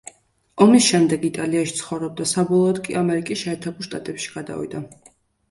ომის შემდეგ იტალიაში ცხოვრობდა, საბოლოოდ კი ამერიკის შეერთებულ შტატებში გადავიდა.